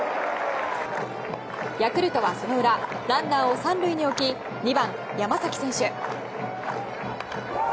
ヤクルトは、その裏ランナーを３塁に置き２番、山崎選手。